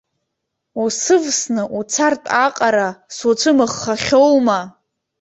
Усывсны уцартә аҟара суцәымыӷхахьоума?